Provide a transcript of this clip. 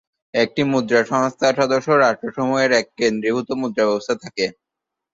একটি "মুদ্রা সংস্থা"র সদস্য রাষ্ট্রসমূহের এক কেন্দ্রীভূত মুদ্রা ব্যবস্থা থাকে।